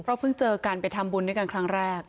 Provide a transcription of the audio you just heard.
เพราะเพิ่งเจอกันไปทำบุญด้วยกันครั้งแรก